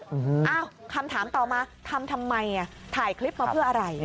อ้าวคำถามต่อมาทำทำไมอ่ะถ่ายคลิปมาเพื่ออะไร